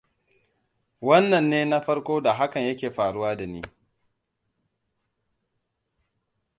Wannan ne na farko da hakan yake faruwa da ni.